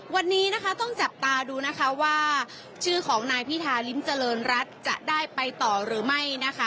วันนี้นะคะต้องจับตาดูนะคะว่าชื่อของนายพิธาริมเจริญรัฐจะได้ไปต่อหรือไม่นะคะ